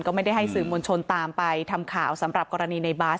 ก็ไม่ได้ให้สื่อมวลชนตามไปทำข่าวสำหรับกรณีในบาส